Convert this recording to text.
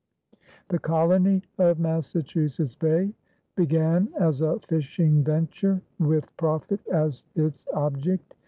The colony of Massachusetts Bay began as a fishing venture with profit as its object.